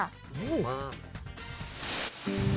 มา